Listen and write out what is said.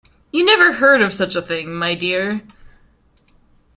You never heard of such a thing, my dear!